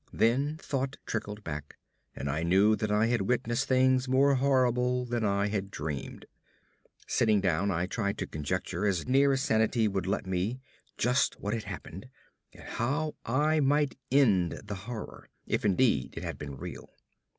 Then thought trickled back, and I knew that I had witnessed things more horrible than I had dreamed. Sitting down, I tried to conjecture as nearly as sanity would let me just what had happened, and how I might end the horror, if indeed it had been real.